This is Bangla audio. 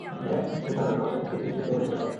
দেখ সুলতান, অনেক দেখেছি তোর এই নাটক।